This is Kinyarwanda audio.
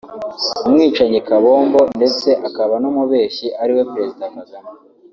umwicanyi kabombo ndetse akaba n’umubeshyi ari we Président Kagame